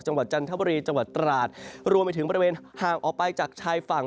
จันทบุรีจังหวัดตราดรวมไปถึงบริเวณห่างออกไปจากชายฝั่ง